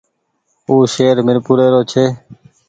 او شهر ميرپور رو ڇي۔